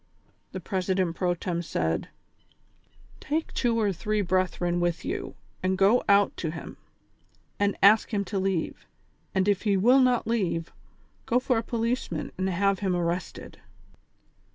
" The president pro tern. ?aid : THE CONSPIRATORS AND LOVERS. 187 "Take two or three brethren with you and go out to him, and ask him to leave, and if he will not leave, go for a policeman and have him arrested."